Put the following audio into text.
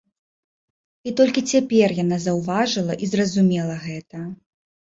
І толькі цяпер яна заўважыла і зразумела гэта.